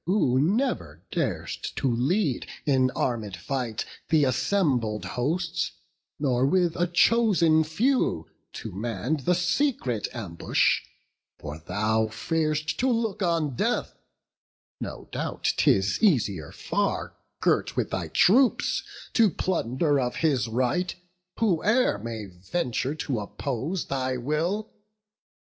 Who never dar'st to lead in armed fight Th' assembled host, nor with a chosen few To man the secret ambush—for thou fear'st To look on death—no doubt 'tis easier far, Girt with thy troops, to plunder of his right Whoe'er may venture to oppose thy will!